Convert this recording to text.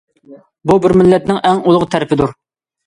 بۇ بىر مىللەتنىڭ ئەڭ ئۇلۇغ تەرىپىدۇر.